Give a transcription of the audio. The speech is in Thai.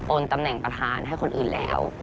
ตำแหน่งประธานให้คนอื่นแล้ว